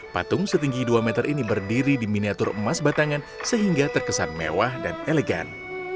patung setinggi dua meter ini berdiri di miniatur emas batangan sehingga terkesan mewah dan elegan